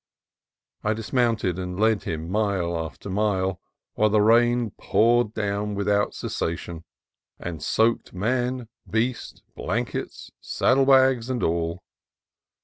I dismounted, and led him mile after mile, while the rain poured down without cessation, and soaked man, beast, blankets, saddle bags, and all.